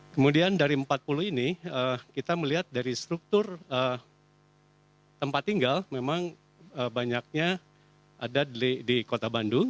kemudian dari empat puluh ini kita melihat dari struktur tempat tinggal memang banyaknya ada di kota bandung